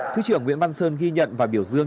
thứ trưởng nguyễn văn sơn ghi nhận và biểu dương